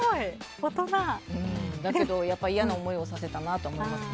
だけどやっぱり嫌な思いをさせたなと思います。